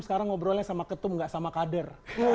sekarang ngobrolnya sama ketum gak sama kader